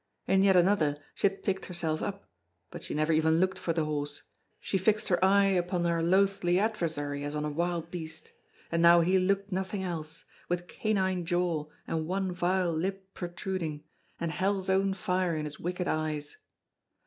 In yet another she had picked herself up, but she never even looked for the horse; she fixed her eye upon her loathly adversary as on a wild beast; and now he looked nothing else, with canine jaw and one vile lip protruding, and hell's own fire in his wicked eyes.